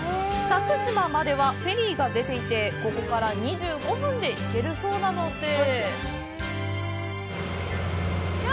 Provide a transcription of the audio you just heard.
佐久島まではフェリーが出ていてここから２５分で行けるそうなので。